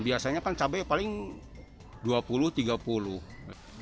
biasanya kan cabai paling dua puluh tiga puluh